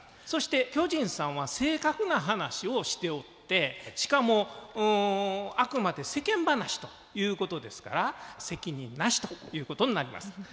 そして巨人さんは正確な話をしておってしかもあくまで世間話ということですから責任なしということになります。